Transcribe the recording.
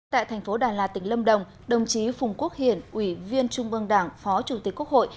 tại thành phố đà lạt tỉnh lâm đồng đồng chí phùng quốc hiển ủy viên trung ương đảng phó chủ tịch quốc hội